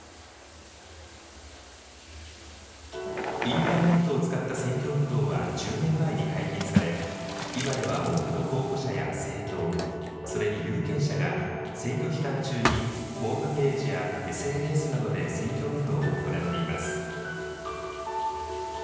インターネットを使った選挙運動は１０年前に解禁され、今では多くの候補者や政党、それに有権者が選挙期間中にホームページやＳＮＳなどで選挙運動を行っています。